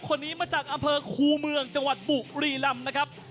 คนนี้มาจากอำเภอคูเมืองจังหวัดบุรีลำนะครับ